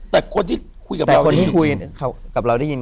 แต่คนที่คุยกับเราได้ยิน